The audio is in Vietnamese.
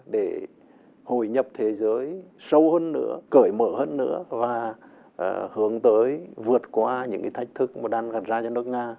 để hội nhập thế giới sâu hơn nữa cởi mở hơn nữa và hướng tới vượt qua những thách thức đang gần ra cho nước nga